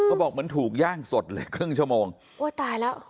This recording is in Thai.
แล้วพระก็บอกเหมือนถูกย่างสดเลยครึ่งชั่วโมงอู้ยตายแล้ว